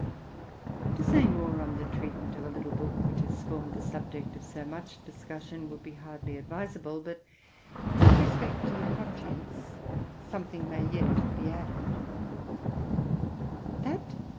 'To say more on the treatment of a little book which has formed the subject of so much discussion would hardly be advisa ble ; but, with respect to the contents, something may yet be added.